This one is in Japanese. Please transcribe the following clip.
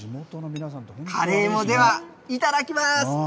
カレーも、ではいただきます。